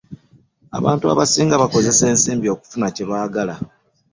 Abantu abasinga bakozesa ensimbi okufuna kye baagala.